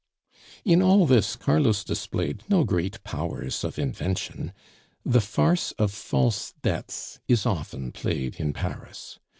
In all this Carlos displayed no great powers of invention. The farce of false debts is often played in Paris.